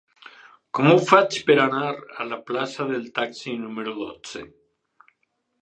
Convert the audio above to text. Com ho faig per anar a la plaça del Taxi número dotze?